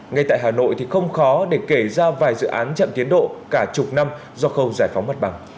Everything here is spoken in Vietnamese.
ngay tại hà nội thì không khó để kể ra vài dự án chậm tiến độ cả chục năm do khâu giải phóng mặt bằng